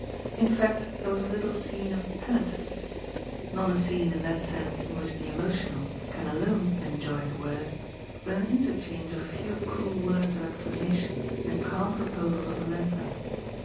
In fact, there was a little scene of penitence — ^not a scene in that sense in which the emotional can alone enjoy the word, but an interchange of a few cool words of explanation and calm propk)sals of amendment.